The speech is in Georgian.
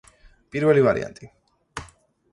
პირველი ვარიანტი.